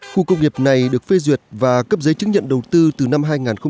khu công nghiệp này được phê duyệt và cấp giấy chứng nhận đầu tư từ năm hai nghìn một mươi